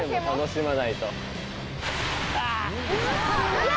うわ！